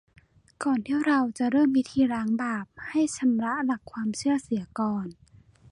ก่อนที่เราจะเริ่มพิธีล้างบาป ให้ชำระหลักความเชื่อเสียก่อน